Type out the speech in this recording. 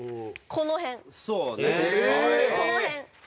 この辺。